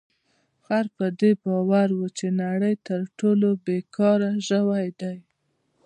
خر په دې باور و چې د نړۍ تر ټولو بې کاره ژوی دی.